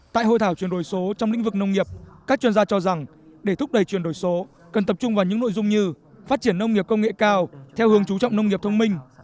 tại hội thảo chuyển đổi số trong lĩnh vực nông nghiệp các chuyên gia cho rằng để thúc đẩy chuyển đổi số cần tập trung vào những nội dung như phát triển nông nghiệp công nghệ cao theo hướng chú trọng nông nghiệp thông minh